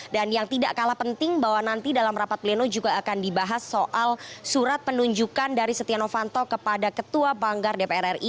dan yang tidak kalah penting bahwa nanti dalam rapat pleno juga akan dibahas soal surat penunjukan dari setia novanto kepada ketua panggar dpr ri